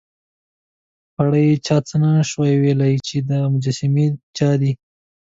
په اړه یې چا څه نه شوای ویلای، چې دا مجسمې د چا دي.